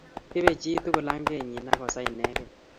Ibei chitugul angenyi akosaa inegei